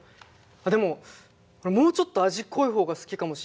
あっでももうちょっと味濃い方が好きかもしんないな。